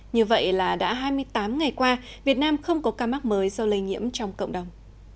như vậy là đã hai mươi tám ngày qua việt nam không có ca mắc mới do lây nhiễm trong cộng đồng